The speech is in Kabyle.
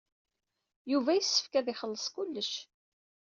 Yuba yessefk ad ixelleṣ kullec.